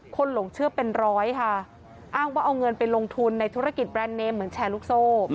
หลงเชื่อเป็นร้อยค่ะอ้างว่าเอาเงินไปลงทุนในธุรกิจแบรนด์เนมเหมือนแชร์ลูกโซ่